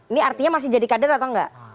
ini artinya masih jadi kader atau enggak